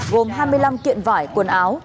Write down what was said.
gồm hai mươi năm kiện vải quần áo